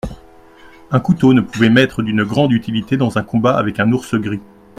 Un couteau ne pouvait m'être d'une grande utilité dans un combat avec un ours gris.